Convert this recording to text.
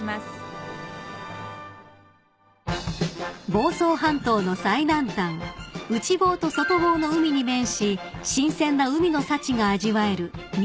［房総半島の最南端内房と外房の海に面し新鮮な海の幸が味わえる南房総市］